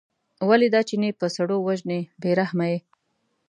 ولې دا چینی په سړو وژنې بې رحمه یې.